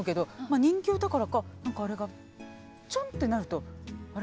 あ人形だからか何かあれがちょんってなると「あれ？